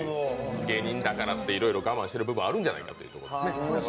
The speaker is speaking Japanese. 芸人だからっていろいろ我慢している部分があるんじゃないかということですね。